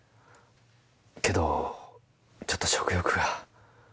けどちょっと食欲が。